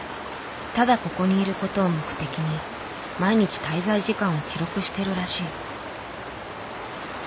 ただここにいる事を目的に毎日滞在時間を記録しているらしい。